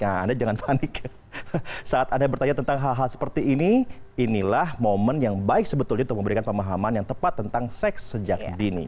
nah anda jangan panik saat anda bertanya tentang hal hal seperti ini inilah momen yang baik sebetulnya untuk memberikan pemahaman yang tepat tentang seks sejak dini